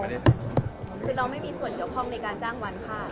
คือเราไม่มีส่วนเฉพาะในการจ้างวันค่า